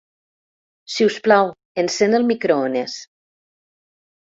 Si us plau, encén el microones.